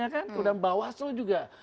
kemudian bawah sel juga